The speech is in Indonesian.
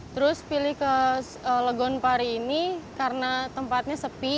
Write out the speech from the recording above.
terus pilih ke legon pari ini karena tempatnya sepi